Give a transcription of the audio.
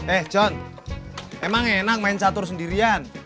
eh john emang enak main catur sendirian